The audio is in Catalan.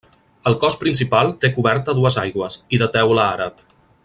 El cos principal té coberta a dues aigües, i de teula àrab.